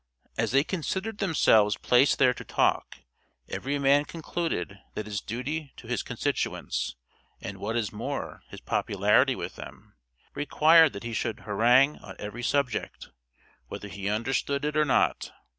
As they considered themselves placed there to talk, every man concluded that his duty to his constituents, and, what is more, his popularity with them, required that he should harangue on every subject, whether he understood it or not.